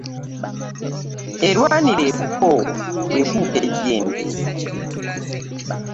Erwanira ebuuka ekuuka ejjembe .